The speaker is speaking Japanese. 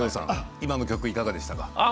今の曲、いかがでしたか？